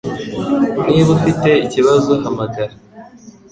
Niba ufite ikibazo hamagara